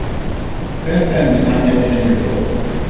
Fanfan was not yet ten years old.